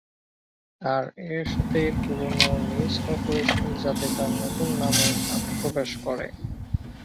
আর এর সাথে পুরনো নিউজ কর্পোরেশন যাতে তার নতুন নামে আত্মপ্রকাশ করে।